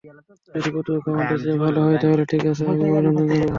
যদি প্রতিপক্ষ আমাদের চেয়ে ভালো হয়, তাহলে ঠিক আছে, আমি অভিনন্দন জানাব।